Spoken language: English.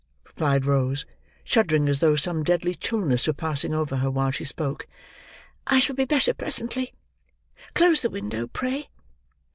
replied Rose: shuddering as though some deadly chillness were passing over her, while she spoke; "I shall be better presently. Close the window, pray!"